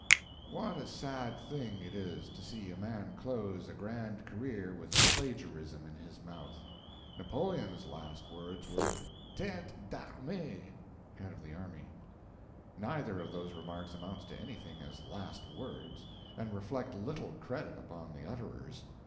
What a sad thing it is to see a man close a grand career with a plagiarism in his mouth. Napoleon's last words were: "Tete d'armee." (Head of the army.) Neither of those remarks amounts to anything as "last words," and reflect little credit upon the utterers.